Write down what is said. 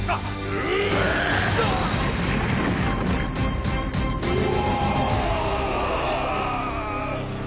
うお！